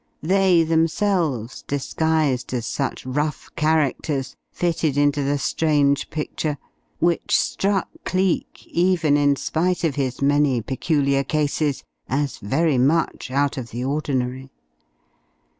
They themselves, disguised as such rough characters, fitted into the strange picture, which struck Cleek, even in spite of his many peculiar cases, as very much out of the ordinary.